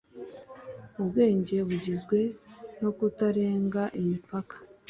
ubwenge bugizwe no kutarenga imipaka